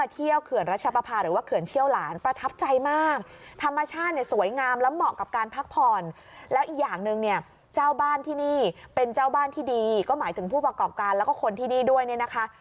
ถึงผู้ประกอบการแล้วก็คนที่นี่ด้วยเนี่ยนะคะ